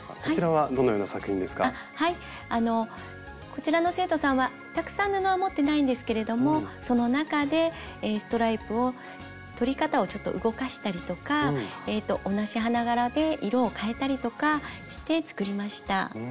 こちらの生徒さんはたくさん布は持ってないんですけれどもその中でストライプを取り方をちょっと動かしたりとか同じ花柄で色をかえたりとかして作りました。